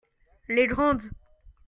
Les grandes.